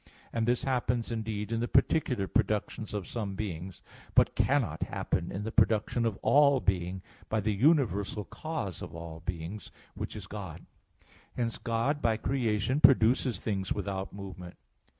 And this happens, indeed, in the particular productions of some beings, but cannot happen in the production of all being by the universal cause of all beings, which is God. Hence God by creation produces things without movement.